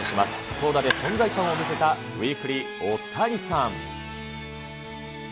投打で存在感を見せた、ウィークリーオオタニサン！